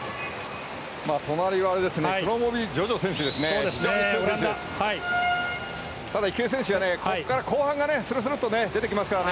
隣はクロモビジョジョ選手ですよね。